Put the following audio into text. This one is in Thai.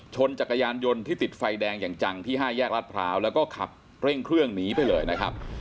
จักรยานยนต์ที่ติดไฟแดงอย่างจังที่๕แยกรัฐพร้าวแล้วก็ขับเร่งเครื่องหนีไปเลยนะครับ